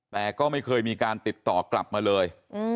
แต่ก็ไม่เคยมีการติดต่อกลับมาเลย